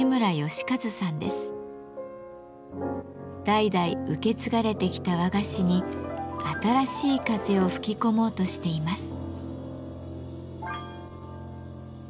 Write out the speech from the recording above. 代々受け継がれてきた和菓子に新しい風を吹き込もうとしています。